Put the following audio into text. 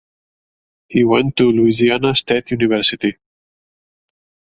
He went to Louisiana State University.